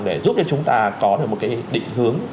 để giúp cho chúng ta có được một cái định hướng